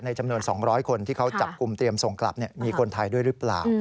จำนวน๒๐๐คนที่เขาจับกลุ่มเตรียมส่งกลับมีคนไทยด้วยหรือเปล่า